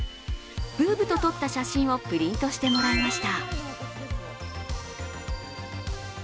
ＢｏｏＢｏと撮った写真をプリントしてもらいました。